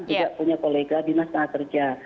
juga punya kolega dinas tenaga kerja